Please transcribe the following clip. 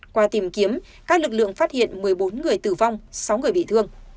qua tìm kiếm các lực lượng phát hiện một mươi bốn người tử vong sáu người bị thương